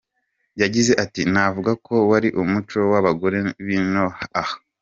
Yagize ati “Navuga ko wari umuco w’abagore b’ino aha.